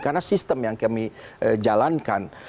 karena sistem yang kami jalankan